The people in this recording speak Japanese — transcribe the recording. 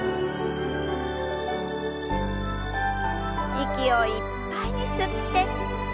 息をいっぱいに吸って。